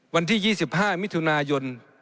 วันที่๒๕มิถุนายน